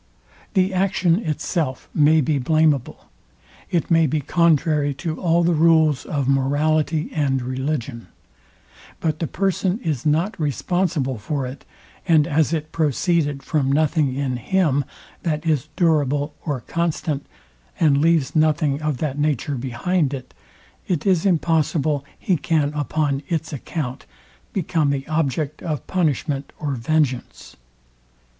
The action itself may be blameable; it may be contrary to all the rules of morality and religion: But the person is not responsible for it; and as it proceeded from nothing in him, that is durable or constant, and leaves nothing of that nature behind it, it is impossible he can, upon its account, become the object of punishment or vengeance.